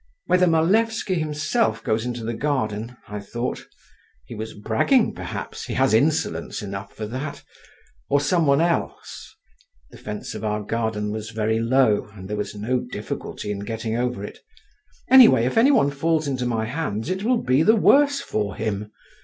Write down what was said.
"Whether Malevsky himself goes into the garden," I thought (he was bragging, perhaps; he has insolence enough for that), "or some one else (the fence of our garden was very low, and there was no difficulty in getting over it), anyway, if any one falls into my hands, it will be the worse for him!